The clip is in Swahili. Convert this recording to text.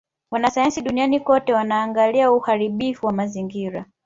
Wanasayansi duniani kote wanaangalia uharibifu wa mazingira